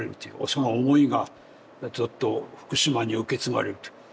その思いがずっと福島に受け継がれるという。